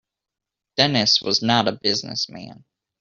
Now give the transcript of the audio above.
Dennis was not a business man.